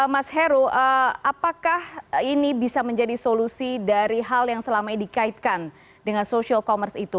mas heru apakah ini bisa menjadi solusi dari hal yang selama ini dikaitkan dengan social commerce itu